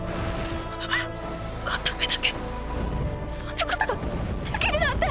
あっ片目だけ⁉そんなことができるなんて！